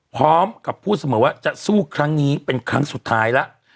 พร้อมกับพูดเสมอว่าจะสู้ครั้งนี้เป็นครั้งสุดท้ายแล้ว